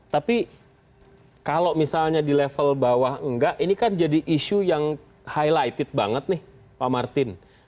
tapi kalau misalnya di level bawah enggak ini kan jadi isu yang highlighted banget nih pak martin